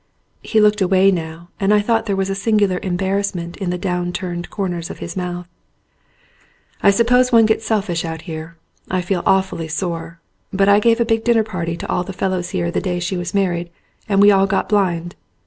He looked away now and I thought there was a singular embarrassment in the down turned cor ners of his mouth. "I suppose one gets selfish out here, I felt aw fully sore, but I gave a big dinner party to all the fellows here the day she was married, and we all got blind."